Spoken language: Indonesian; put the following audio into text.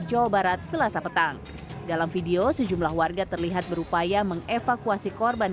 jawa barat selasa petang dalam video sejumlah warga terlihat berupaya mengevakuasi korban